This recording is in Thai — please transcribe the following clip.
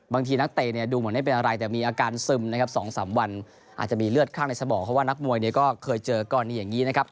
นักเตะเนี่ยดูเหมือนไม่เป็นอะไรแต่มีอาการซึมนะครับ๒๓วันอาจจะมีเลือดข้างในสมองเพราะว่านักมวยเนี่ยก็เคยเจอกรณีอย่างนี้นะครับ